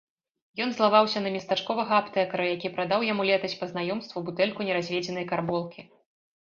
Ён злаваўся на местачковага аптэкара, які прадаў яму летась па знаёмству бутэльку неразведзенай карболкі.